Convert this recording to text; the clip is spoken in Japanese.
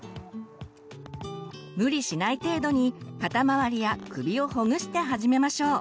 無理しない程度に肩周りや首をほぐして始めましょう。